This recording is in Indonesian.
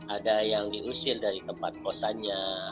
ada yang diusir dari tempat kosannya